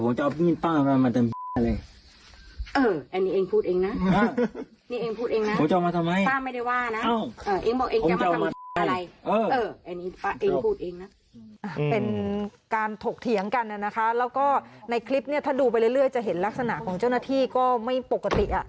เป็นการถกเถียงกันนะคะแล้วก็ในคลิปเนี่ยถ้าดูไปเรื่อยจะเห็นลักษณะของเจ้าหน้าที่ก็ไม่ปกติอ่ะ